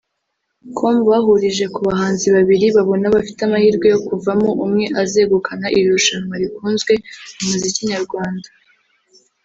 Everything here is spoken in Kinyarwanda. com bahurije ku bahanzi babiri babona bafite amahirwe yo kuvamo umwe uzegukana iri rushanwa rikunzwe mu muziki nyarwanda